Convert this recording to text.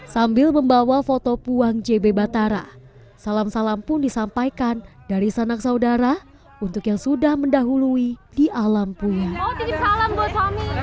sambil membawa foto puang jb batara salam salam pun disampaikan dari sanak saudara untuk yang sudah mendahului di alam puya